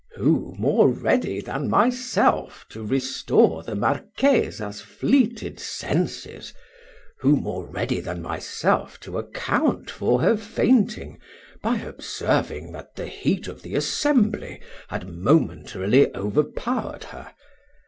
Who more ready than myself to restore the Marchesa's fleeted senses who more ready than myself to account for her fainting, by observing, that the heat of the assembly had momentarily overpowered her.